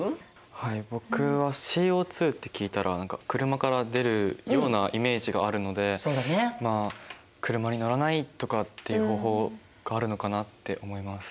はい僕はＣＯ２って聞いたら何か車から出るようなイメージがあるのでまあ車に乗らないとかっていう方法があるのかなって思います。